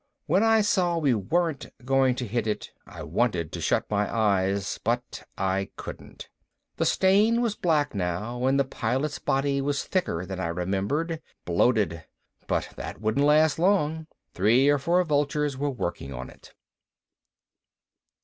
When I saw we weren't going to hit it, I wanted to shut my eyes, but I couldn't. The stain was black now and the Pilot's body was thicker than I remembered bloated. But that wouldn't last long. Three or four vultures were working on it.